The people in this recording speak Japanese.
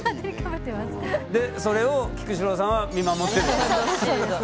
それを菊紫郎さんは見守ってるんでしょ。